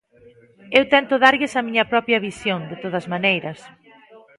Eu tento darlles a miña propia visión, de todas maneiras.